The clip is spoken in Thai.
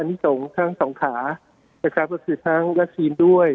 อนิตรงก์ทั้งสองขานะครับว่าคือทั้งลาคินด้วย